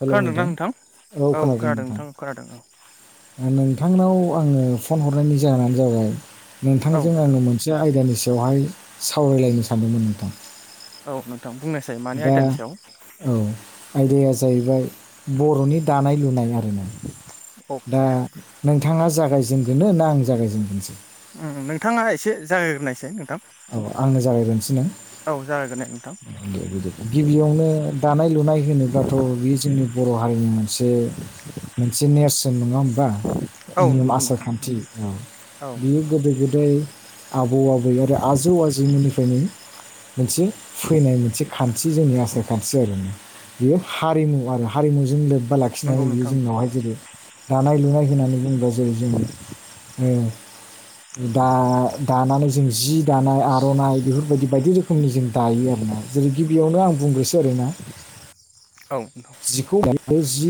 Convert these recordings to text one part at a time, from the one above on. Hello नोंथां औ खोनादों नोंथां । नोंथांनाव आङो फन हरनायनि जाहोनानो जाबाय औ नोंथांजों नोंथां आङो मोनसे आयदानि सायाव बेवहाय सावरायलायनो सानदोंमोन नोंथां । औ नोंथां बुंनोसै मानि आइटेम सआव औ । आयदाया जाहैबाय बर'नि दानाय लुनाय आरो ना। दा अके नोंथाङा जागायजेनगोरनो ना आं जागायजेनगोरसै । उ-उ नोंथाङा एसे जागाय ग्रोनायसै नोंथां । औ आंनो जागायगोरसै ना जागायग्रोनाय नोंथां ओ दे बिदिबा गिबियावनो दानाय लुनाय होनोबाथ' बेयो जोंनि बर' हारिनि मोनसे मोनसे नेरसोन नङा होनोमबा। औ निम नंगौ आसार नोंथां खान्थि औ बियो गोदो गोदाय आबौ आबौ आरो आजौ आजैमोननिफ्रायनो मोनसे फैनाय मोनसे खान्थि जोंनि आसार खान्थि जाहैबाय। बियो हारिमु आरो हारिमुजों लोब्बा नंगौ लाखिनानै बियो नोंथां जोंनावहाय जेरै दानाय लुनाय होननानै बुंङोबा जेरै जोङो दा दानानै जों जि दानाय आर'नाइ बेफोरबायदि बायदि रोखोमनि जों दायो आरोना जेरै गिबियावनो आं बुंग्रोसो आरोना। [unintelligible] औ। नोंथां जिखौ जि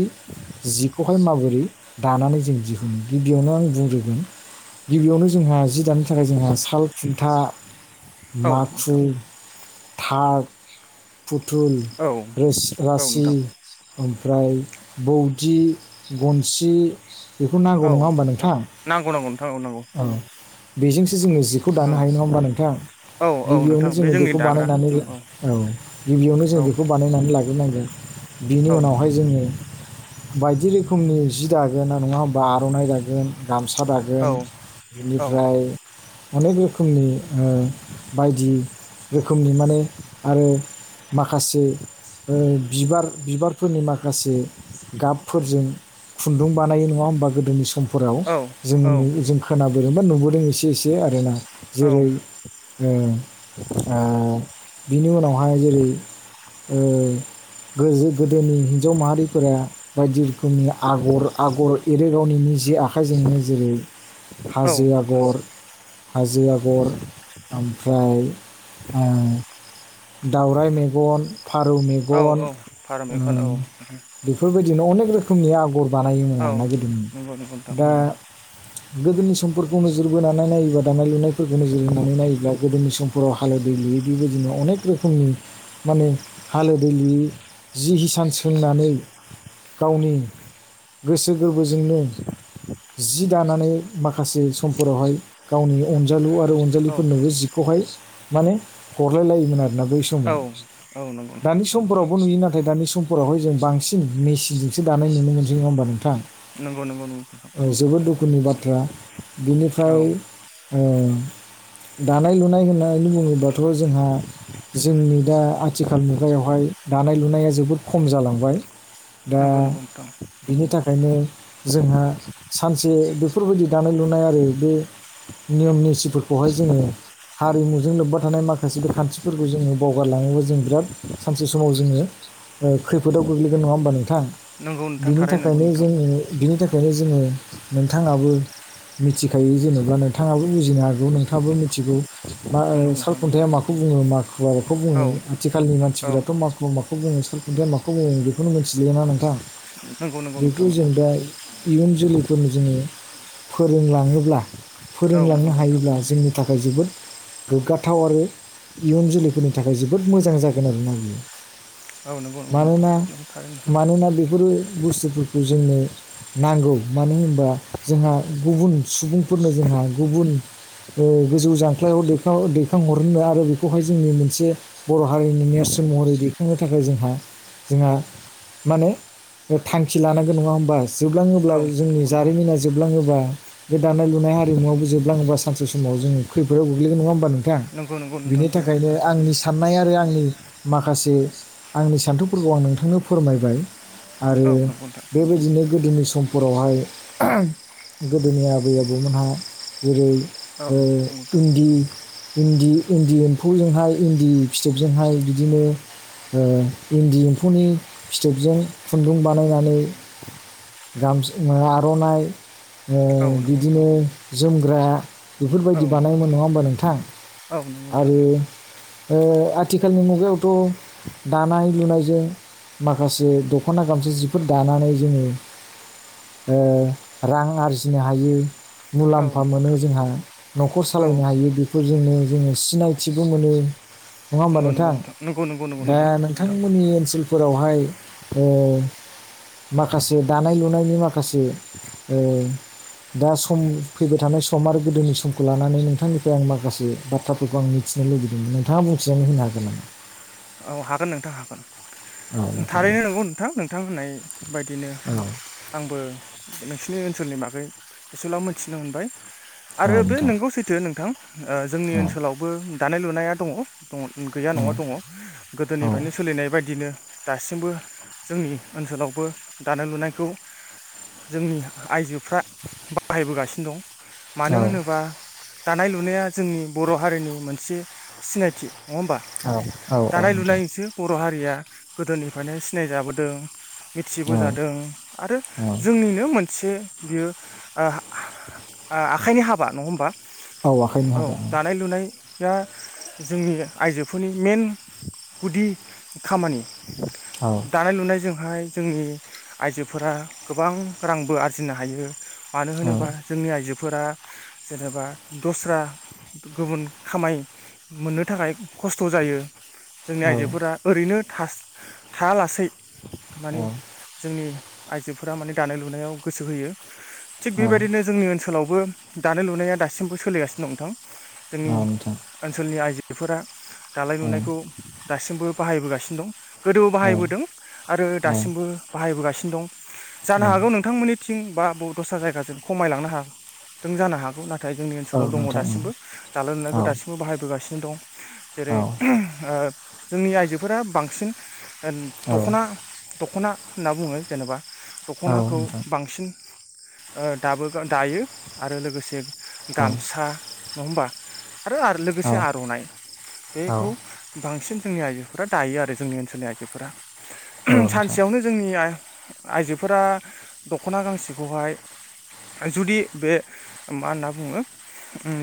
जिखौहाय माबोरै दानानै जों दिहुनो गिबियावनो आं बुंग्रोगोन। गिबियावनो जोंहा जि दानो थाखाय जोंहा साल खुन्था औ माखु नोंथां थार फुथुल, औ रोस, औ रासि नोंथां ओमफ्राय, बौदि, गनसि, बेखौ नांगौ औ नङा होनोमबा औ नोंथां? नांगौ नांगौ नोंथां नांगौ औ। बेजोंसो जोङो जिखौ दानो नांगौ हायो नङा होमबा नोंथां। औ औ गिबियावनो नोंथां बे जोङो जोंनि बेखौ दाग्रा बानायनानै औ गिबियावनो जों औ बेखौ बानायनानै लाग्रोनांगोन। बिनि औ उनाव नोंथां हाय जोङो बायदि रोखोमनि जि दागोन नङा होमबा आरनाय दागोन गामसा औ दागोन औ बिनिफ्राय अनेक रोखोमनि ओ बायदि रोखोमनि माने आरो माखासे ओ बिबार बिबारफोरनि माखासे गाबफोरजों खुन्दुं बानायो नङा होमबा गोदोनि सम फोराव औ जोङो जों खोनाबोदोंबा नुबोदों एसे एसे आरोना? जेरै ओ आं बिनि उनावहाय ओ जेरै ओ गोजौ गोदोनि हिनजाव माहारिफोरा बायदि रोखोमनि आगर आगर एरेगावनि नि जि बे आखाइजोंनो जेरै औ हाजो आगर हाजो आगर ओमफ्राय ओम दाउराइ मेगन फारौ औ मेगन औ फारौ ओ मेगन औ बेफोर बेबायदिनो अने रखोमनि आगर बानाय औ लागदोंमोन। नंगौ नंगौ नोंथां दा गोदोनि समफोरखौ नोजोर बोनानै नायोबा दानाय लुनायफोरखौ नोजोर होनोनानै नायोब्ला गोदोनि समफोराव हालोदै लुयै बेबो जों अनेक रोखोमनि माने हालोदलि जि हिसान सोंनानै गावनि गोसो गोरबोजोंनो जि दानानै माखासे समफोरावहाय गावनि अनजालु आरो औ अनजालिफोरनोबो जिखौ हाय माने हरलाय लायोमोन आरोना बै औ औ नंगौ समाव नोंथां दानि समफोरावबो नुयो ना बे समफोरावहाय जों बांसिन मेसिनजोंसो दानाय नुनो मोनसैङा होनोमबा नोंथां? नंगौ नंगौ। नोंथां औ जोबोद दुखुनि बाथ्रा औ बिनिफ्राय ओ दानाय लुनाय होननानै बुङोबाथ' जोंहा जोंनि दा आथिखाल मुगायावहाय दानाय लुनाया जोबोद खम जालांबाय दा नंगौ नंगौ नोंथां बिनि थाखायनो जोंहा सानसे बेफोरबायदि दानाय लुनाय आरो बे नियम निसिफोरखौहाय जोङो हारिमुजों लोब्बा थानाय माखासे बे खान्थिफोरखौ जोङो बावगारलाङोब्ला जों बिराद सानसे समाव जोङो खैफोदाव गोग्लैगोन नङा होमबा नोंथां नंगौ नोंथां बिनि थारै नंगौ थाखायनो नोंथां जोङो बिनि थाखायनो जों जोङो नोंथाङाबो मिथिखायो जेनेबा नोंथाङाबो बुजिनो हागौ नोंथाङाबो मिथिगौ मा नंगौ नोंथां नंगौ सालखुन्थाइ माखौ बुङो? माखुआ माखौ बुङो औ आथिखालनि औ मानसिफोराथ' माखु माखौ खौ बुङो सलखुन्था माखौ बुङो बेखौनो मिथिलियाना नोंथां नंगौ नंगौ नोंथां बेखौ जों नंगौ दा इयुन जोलैफोरनो जोङो फोरोंलाङोब्ला औ फोरोंलांनो नंगौ नोंथां हायोब्ला जोंनि थाखाय थाखाय जोबोद गोग्गाथाव आरो इयुन जोलैफोरनि थाखाय जोबोद मोजां जागोन आरोना बियो औ नंगौ नंगौ नोंथां मानोना नंगौ थारैनो मानोना बेफोरो बुस्थुफोरखौ जोंनो नांगौ मानो होनबा जोंहा गुबुन सुबुंफोरनो जोंहा गुबुन ओ गोजौ जांख्लायाव दैखांहरनो आरो बेखौहाय जोंनि मोनसे बर' हारिनि नेरसोन महरै दैखांनो थाखाय जोंहा जोंहा माने थांखि लानांगौ नङा होमबा औ जोबलाङोब्ला जोंनि नंगौ नोंथां जारिमिना जोबलाङोबा बे दानाय लुनाय हरिमुआबो जोबलाङोबा सानसे समाव जों खैफोाव गोग्लैगोन नङा होमबा नों नंगौ नंगौ नोंथां बिनि नंगौ थाखायनो आंनि साननाय आरो आंनि माखासे आंनि सान्थौफोरखौ आं नोंथांनो फोरमायबाय आरो औ नंगौ नोंथां बेबायदिनो गोदोनि स मफोरावहाय गोदोनि आबै आबौमोनहा जेरै- औ ओ नंगौ नोंथां इन्दि इन्दि इन्दि एम्फौजोंहाय इन्दि फिथोबजोंहाय बिदिनो ओ इन्दि एम्फौनि फिथोबजों खुन्दुं बानायनानै गाम आर'नाइ ओ औ नंगौ नोंथां बिदिनो जोमग्रा औ बेफोरबायदि बानायोमोन नंगौ नङा होमबा नोंथां औ नंगौ नोंथां आरो ओ आथिखालनि मुगायावथ' दानाय लुनायजों माखासे दख'ना गामसा जिफोर दानानै जोङो ओ रां आरजिनो हायो औ मुलाम्फा नंगौ मोनो नोंथां जोंहा न'खर औ सालायनो हायो बेफोरजोंनो जोङो सिनायथिबो मोनो नङा होमबा नंगौ नंगौ नोंथां नंगौ नंगौं नं दा नोंथांमोननि ओनसोलफोरावहाय ओ माखासे दानाय लुनायनि माखासे ओ दा सम फैबाय थानाय सम आरो गोदोनि समखौ लानानै नोंथांनिफ्राय आं माखासे बाथ्राफोरखौ आं मिथि थिनो लुुबैदोंमोन नोंथाङा बुंथिजानो होनो हागोन नामा? औ हागोन नोंथां हागोन औ नोंथां दे ।थारैनो नंगौ नोंथां नोंथां होननाय बायदिनो औ आंबो नोंसिनि ओनसोलनि बागै एसेब्लाबो मिथिनो मोनबाय औ आरो बे नोंथां नंगौ सैथो नोंथां ओ जोंनि औ ओनसोलावबो दानाय लुनाया दङ दं गैया औ नङा दङ गोदोनिफ्रायनो सोलिनाय बायदिनो दासिमबो जोंनि ओनसोलावबो दानाय लुनायखौ जोंनि आइजोफ्रा बाहायबोगासिनो दं मानो औ होनोबा दानाय लुनाया जोंनि बर' हारिनि मोनसे सिनायथि नङा होमबा! औ औ दानाय नोंथां लुनायसो बर' हारिया गोदो गोदोनिफ्रायनो सिनायजाबोदों औ मिथिबोजादों आरो औ औ जोंनिनो मोनसे बियो ओ ओ आखाइनि हाबा नङा होमबा? आखाइनि औ हाबा दानाय लुनाय दा जोंनि आइजोफोरनि मेन गुदि खामानि औ दानाय लुनायजोंहाय जोंनि आइजोफोरा गोबां रांबो आरजिनो हायो मानो औ होनोबा जोंनि आइजोफोरा जेनेबा दस्रा गुबुन खामाय मोननो थाखाय खस्थ जायो जोंनि औ आइजोफोरा ओरैनो थास- थाया लासेै औ माने जोंनि आइजोफोरा माने दानाय लुनायाव गोसो होयो थिग बेबायदिनो जोंनि ओनसोलावबो दानाय लुनाया दासिमबो सोलिगासिनो दं थां जोंनि औ नोंथां ओनसोलनि आइजोफोरा दानाय औ लुनाय दासिमबो बाहायबोगासिनो दं गोदो औ बाहायबोदों आरो औ दासिमबो बाहायबोगासिनो दं जानो हागौ औ नोंथांमोननिथिं बा दस्रा जायगाजों खमायलांनो हादों जानो हागौ नाथ नाथाय जोंनि ओनसोलाव दङ नोंथां औ दासिमबो दालाय लुनायखौ औ दासिमबो बाहायबोगासिनो दं औ जेरै ओ जोंनि आइजोफोरा बांसिन ओ दखना दख'ना होनना बुङो जेनेबा दखनाखौ बांसिन ओ दाबो दायो आरो लोगोसे गामसा नङा होमबा आरो नोंथां औ लोगोसे आरनाइ औ बेखौ बांसिन जोंनि आइजोफोरा दायो आरो जोंनि ओनसोलनि आइजोफोरा औ नोंथां सानसेयावनो जोंनि आइजोफोरा दखना गांसेखौहाय जुदि बे मा होनना बुङो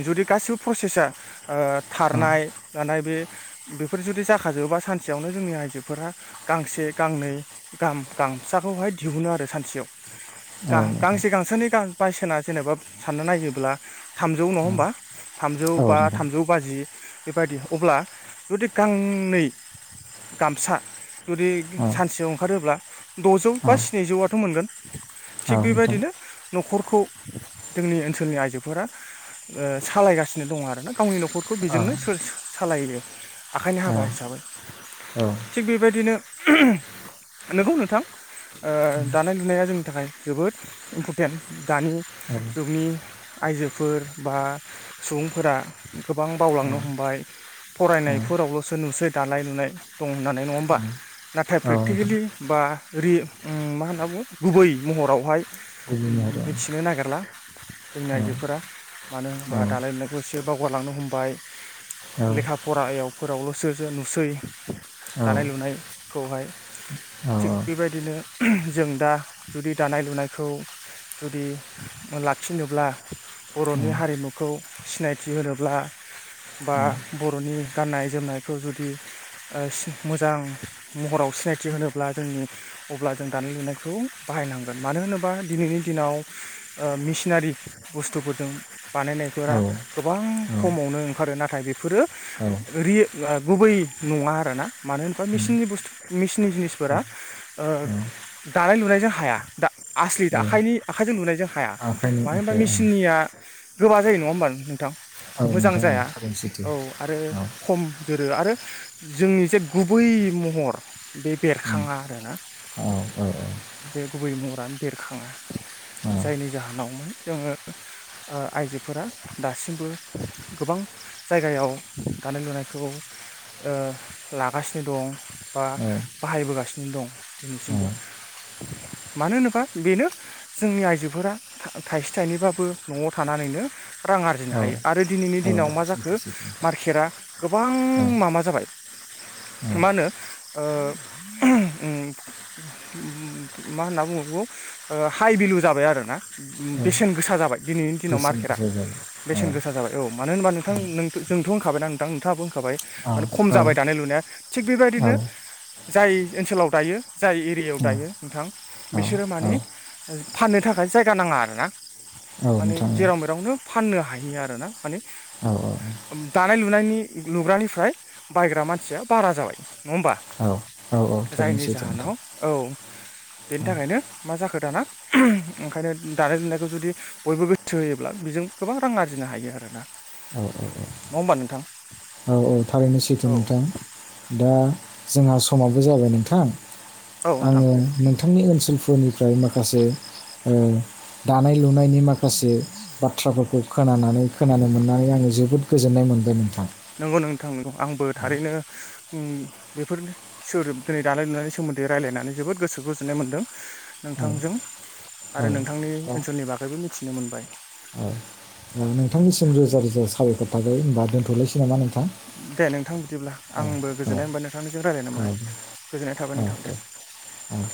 जुदि गासिबो प्रसेसा ओ औ थारनाय दानाय बे बेफोर जुदि जाखाजोबा सानसेयावनो जोंनि आइजोफोरा गांसे गांनै गाहाम गां फिसाखौहाय दिहुनो आरो सानसेयाव औ गा नोंथां गांसे गांसोनि बायसना जेनेबा सानना नायोब्ला थामजौ नङा औ होमबा थामजौ औ बा नोंथां थामजौ बाजि बेबायदि अब्ला जुदि गांनै गामसा जुदि औ सानसेयाव ओंखारोब्ला द'जौ बा औ स्निजौआथ' मोनगोन औ थिग नोंथां बेबायदिनो नखरखौ जोंनि ओनसोलनि आइजोफोरा ओ सालायगासिनो दङ आरोना गावनि न'खरखौ औ बेजोंनो सालायो आखाइनि औ हाबा हिसाबै थिग बेबायदिनो नोंगौ नोंथां ओ दानाय लुनाया जोंनि थाखाय जोबोद इम्परटेन्ट दानि जुगनि आइजोफोर बा सुबुंफोरा गोबां बावलांनो हमबाय औ फरायनायफोरावलसो नुसै दानाय लुनाय दं होननानै नङा होमबा नाथाय औ औ नोंथां प्रेक्टिकेलि बा रिल उम मा होन्ना बुङो गुबै महरावहाय बिदिनो आरो मिथिनो नागिरला जोंनि औ आइजोफोरा मानो होनबा औ दानाय लुनायखौ एसे बावगारलांनो हमबाय औ फरायावफोरावलसो जो नुसै औ दानाय लुनायखौहाय थिग औ औ बेबायदिनो जों दा जुदि दानाय लुनायखौ जुदि लाखिनोब्ला बरनि हारिमुखौ सिनायथि होनोब्ला बा बर'नि गाननाय जोमनायखौ जुदि मोजां महराव सिनायथि होनोब्ला जों नि अब्ला जों दानाय लुनायखौ बाहायनांगोन मानो होनोब्ला दिनैनि दिनाव ओ मेसि सिनारि बुस्थुफोरजों बानायनायफोरा गोबां खमावनो ओंखारो नाथाय बेफोरो औ रि गुबै नङा आरोना मानो होनोबाननि मेसिननि बसथु मेसिननि जिनिसफोरा ओ दानाय लुनायजों हाया दा आसलि आखाइनि आखाइजों लुनायजों हाया आखाइनि मानो होनबा आखाइ औ मेसिननिया गोबा जायो नङा होमबा नोंथां औ मोजां नोंथां औ जाया थारैनो सैथो औ आरो औ खम जोरो आरो जोंनि जे गुबै महर बे ओं बेरखाङा आरो ना औ औ औ बे गुबै महरा बेरखाङा जायनि जाहोनावमोन जोङो ओ आइजोफोरा दासिमबो गोबां जायगायाव दानाय लुनायखौ ओ लागासिनो दं बा बाहायबोगासिनो दं औ दिनैसिमबो मानो होनोबा बेनो जोंनि आइजोफोरा था-थाइसे थाइनैबाबो न'आव थाना नैनो रां आरजिनो हायो औ आरो दिनैनि औ दिनाव मा जाखो सैथो सैथो नोंथां मार्केटआ गोबां औ माबा जाबाय औ मा होनो ओ मा होनना बुङो? बे हाइ भेलु जाबाय आरो ना औ बेसेन गोसा जाबाय। दिनैनि दिनाव बेसेन मार्केटआ गोसा जायो बेसेन गोसा जाबाय औ मानो होनबा नोंथांथ जोंथ' होनखाबायना नोंथां नोंथाङाबो होखाबाय औ माने खम औ जाबाय दानाय लुनाया थिग औ बेबायदिनो जाय ओनसोलाव दायो जाय एरियायाव औ दायो नोंथां औ बिसोरो औ माने फाननो थाखाय जायगा नाङा आरोना । औ माने नोंथां जेराव मेरावनो फाननो हायो आरो ना माने। औ दानाय लुनायनि लुग्रानिफ्राय बायग्रा मानसिया बारा जाबाय नङा होमबा? औ थारैनो जायनि सैथो नोंथां जाहोनाव औ बेनि थाखायनो मा जाखो दाना ओंखायनो दानाय लुनायखौ जुदि बयबो गोसो होयोब्ला बेजों गोबां रां आरजिनो हायो आरोना । औ औ औ औ औ थारैनो सैथो औ नोंथां दा जोंहा समाबो जाबाय नोंथां औ नोंथां आङो नोंथांनि ओनसोल फोरनिफ्राय माखासे ओ दानाय लुनायनि माखासे बाथ्राफोरखौ खोनानानै खोनानै आङो जोबोद गोजोन्नाय मोनबाय नोंथां । नंगौ नोंथां नगौ आंबो थारैनो ओम बेफोर सोर दानाय लुनायनि सोमोन्दै दै रायज्लायनानै जोबोद गोसो गोजोननाय मोन्दों नोंथांजों। औ आरो नोंथांनि औ ओनसोलनि बागैबो मिथिनो मोनबाय । औ औ नोंथांनिसिम रोजा रोजा साबायखर थाबाय होनबा दोनथ'लसै नामा नोंथा । दे नोंथां । बिदिब्ला आंबो औ गोजोननाय होमबा नोंथांनिजों रायज्लायनो औ मोननाय गोजोननाय थाबाय नोंथां दे औ । ।